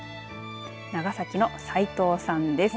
長崎の斎藤さんです。